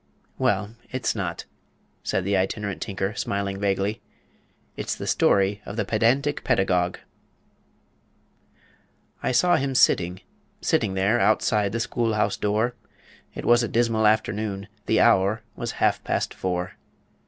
"Well, it's not," said the Itinerant Tinker, smiling vaguely. "It's the story of the PEDANTIC PEDAGOGUE "I saw him sitting sitting there, Outside the school house door, It was a dismal afternoon; The hour was half past four.